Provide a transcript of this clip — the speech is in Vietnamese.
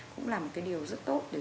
cũng là một cái điều rất tốt